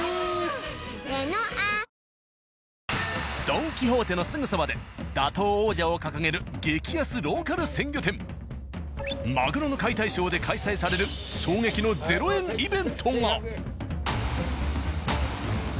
「ドン・キホーテ」のすぐそばで打倒王者を掲げるマグロの解体ショーで開催される衝撃の０円イベントが。